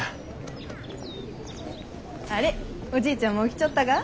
あれおじいちゃんも来ちょったが？